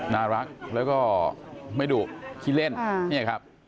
น่ารักแล้วไม่ดุกคิดเล่นนี่ครับ